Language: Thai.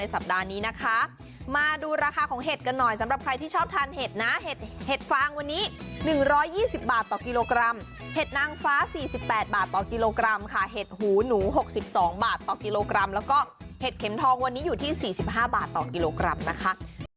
สัปดาห์นี้นะคะมาดูราคาของเห็ดกันหน่อยสำหรับใครที่ชอบทานเห็ดนะเห็ดฟางวันนี้๑๒๐บาทต่อกิโลกรัมเห็ดนางฟ้า๔๘บาทต่อกิโลกรัมค่ะเห็ดหูหนู๖๒บาทต่อกิโลกรัมแล้วก็เห็ดเข็มทองวันนี้อยู่ที่๔๕บาทต่อกิโลกรัมนะคะ